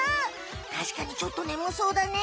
たしかにちょっとねむそうだね。